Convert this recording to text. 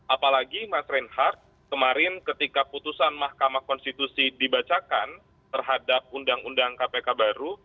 apalagi mas reinhardt kemarin ketika putusan mahkamah konstitusi dibacakan terhadap undang undang kpk baru